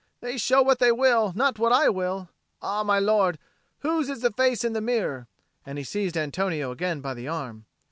They show what they will, not what I will. Ah, my lord, whose is the face in the mirror?" And he seized Antonio again by the arm.